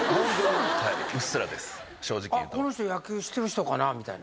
あっこの人野球してる人かな？みたいな。